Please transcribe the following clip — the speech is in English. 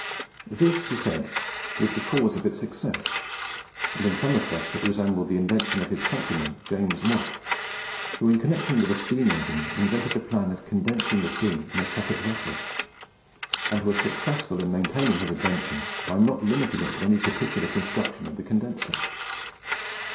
This, he said, was the cause of its success; and in some respects it resembled the invention of his countryman, James Watt, who, in connection with the steam engine, invented the plan of condensing the steam in a separate vessel, and was successful in maintaining his invention by not limiting it to any particular construction of the condenser.